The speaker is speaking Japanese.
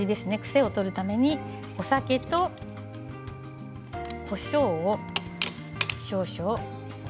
癖を取るためにお酒とこしょうを少々。